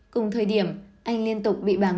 cùng thời điểm anh liên tục bị bảng bỏ